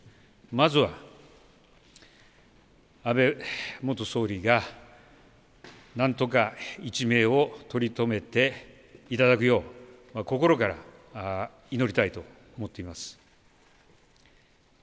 まずは安倍元総理がなんとか一命を取り留めていただくよう心から祈りたいと思っています。